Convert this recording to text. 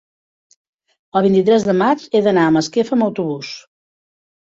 el vint-i-tres de maig he d'anar a Masquefa amb autobús.